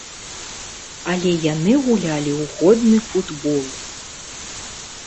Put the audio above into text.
Але яны гулялі ў годны футбол.